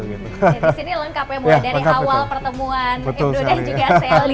jadi di sini lengkap ya mulai dari awal pertemuan edo dan juga sally